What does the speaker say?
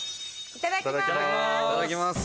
・いただきます。